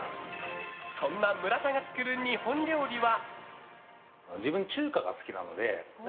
そんな村田が作る日本料理は。